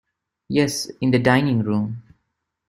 Yes, in the dining-room.